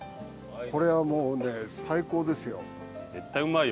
これはもうね最高ですよ。